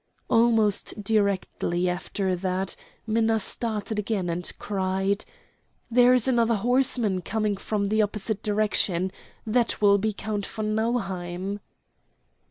Almost directly after that Minna started again and cried: "There is another horseman coming from the opposite direction. That will be the Count von Nauheim."